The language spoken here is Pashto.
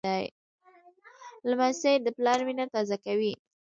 لمسی د پلار مینه تازه کوي.